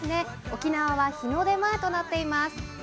沖縄は日の出前となっています。